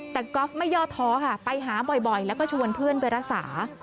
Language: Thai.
แต่ก๊อฟไม่ย่อท้อค่ะไปหาบ่อยแล้วก็ชวนเพื่อนไปรักษา